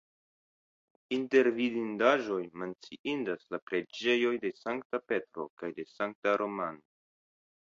Inter vidindaĵoj menciindas la preĝejoj de Sankta Petro kaj de Sankta Romano.